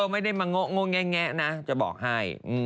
ไม่ได้มาโงะแงะนะจะบอกให้